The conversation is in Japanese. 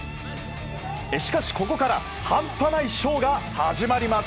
しかし、ここから半端ないショーが始まります。